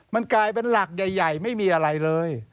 มันกลายเป็นหลักใหญ่ไม่มีอะไรเลย